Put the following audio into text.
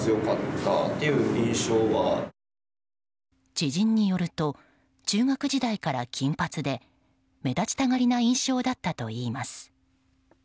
知人によると中学時代から金髪で目立ちたがりな印象だったといいます。